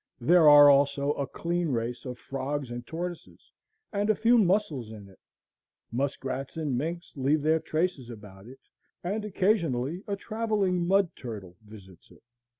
There are also a clean race of frogs and tortoises, and a few muscels in it; muskrats and minks leave their traces about it, and occasionally a travelling mud turtle visits it.